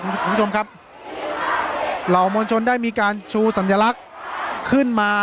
คุณผู้ชมครับเหล่ามวลชนได้มีการชูสัญลักษณ์ขึ้นมา